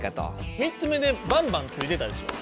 ３つ目でバンバンついてたでしょ。